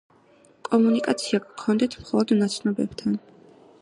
კომუნიკაცია გქონდეთ მხოლოდ ნაცნობებთან.